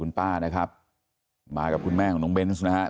คุณป้านะครับมากับคุณแม่ของน้องเบนส์นะครับ